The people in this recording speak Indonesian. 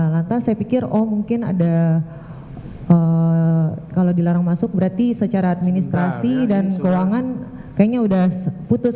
lantas saya pikir oh mungkin ada kalau dilarang masuk berarti secara administrasi dan keuangan kayaknya udah putus